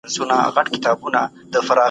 بېکاري د جنایتونو کچه لوړوي.